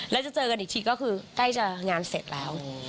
แล้วจะเจอกันอีกทีก็คือใกล้จะงานเสร็จแล้ว